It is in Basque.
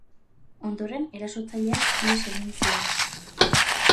Ondoren erasotzaileak ihes egin zuen.